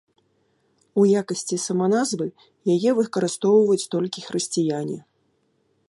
У якасці саманазвы яе выкарыстоўваюць толькі хрысціяне.